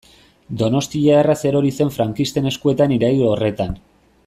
Donostia erraz erori zen frankisten eskuetan irail horretan.